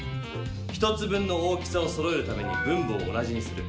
１つ分の大きさをそろえるために分母を同じにする。